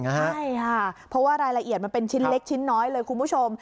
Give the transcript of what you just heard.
ใช่ค่ะเพราะว่ารายละเอียดมันเป็นชิ้นเล็กชิ้นน้อยเลยคุณผู้ชม